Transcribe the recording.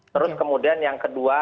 terus kemudian yang kedua